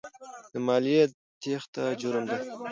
د مالیې تېښته جرم دی.